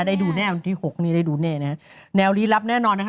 ได้ดูแนวที่หกนี่ได้ดูแน่นะฮะแนวลี้ลับแน่นอนนะคะ